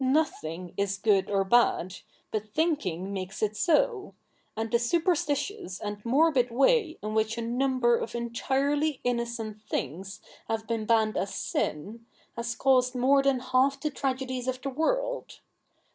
Nothing is good or bad, but thinking makes it so ; and the superstitious and morbid way in which a D 50 THE NEW REPUBLIC [ek. i number of entirely innocent things have been banned as sin, has caused more than half the tragedies of the world.